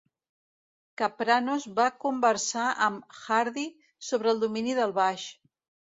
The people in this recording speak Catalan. Kapranos va conversar amb Hardy sobre el domini del baix.